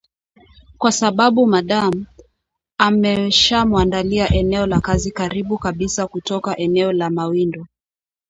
Kwa sababu 'madame' ameshamuandalia eneo la kazi karibu kabisa kutoka eneo la mawindo